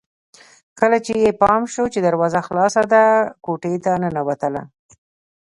کله چې يې پام شو چې دروازه خلاصه ده کوټې ته ننوتله